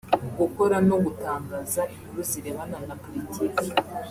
gukora no gutangaza inkuru zirebana na politiki